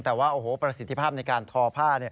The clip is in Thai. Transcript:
แต่ว่าโอ้โหประสิทธิภาพในการทอผ้า